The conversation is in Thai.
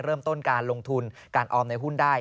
เริ่มต้นการลงทุนการออมในหุ้นได้